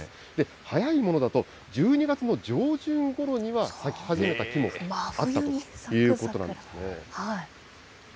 早いものだと１２月の上旬ごろには咲き始めた木もあったということなんですね。